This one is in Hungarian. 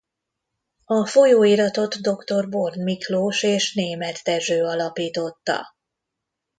A folyóiratot dr. Born Miklós és Németh Dezső alapította.